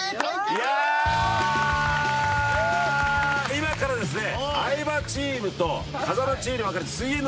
今からですね。